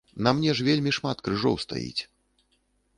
На мне ж вельмі шмат крыжоў стаіць!